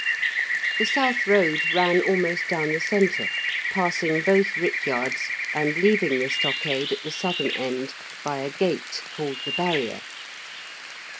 The South Road ran almost down the centre, passing both rickyards, and leaving the stockade at the southern end by a gate, called the barrier.